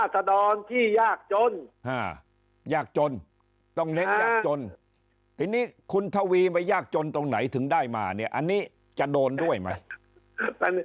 ต้องเน็ตยากจนคุณทวีไปยากจนตรงไหนถึงได้มาอันนี้จะโดนด้วยไหม